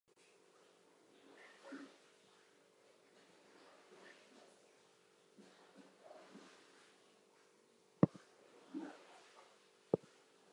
Wallerstein's research concerned inequality in advanced industrial societies.